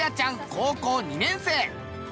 高校２年生。